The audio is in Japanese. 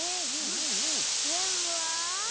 ペンは？